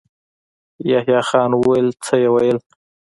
يحيی خان وويل: څه يې ويل؟